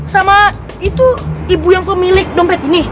sama itu ibu yang pemilik dompet ini